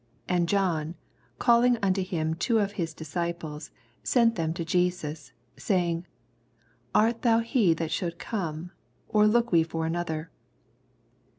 19 And John calling unto him two of his disciples sent them to Jesus, sayinff, Art thou he that should come i or look we for another